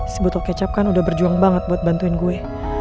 sebetulnya kecap kan udah berjuang banget buat bantuin gue